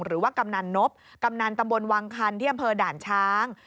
หรือว่ากำนานนพกำนานตำบลวางคันที่อำเภอด่านช้าง